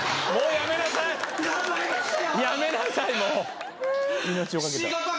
やめなさいもう。